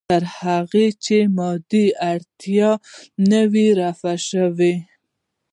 تر هغې چې مادي اړتیا نه وي رفع شوې.